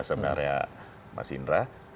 sebenarnya mas indra